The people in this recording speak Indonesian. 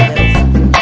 oke semua terus